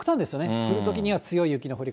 降るときには強い雪の降り方。